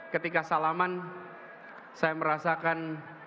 ketika salaman saya merasakan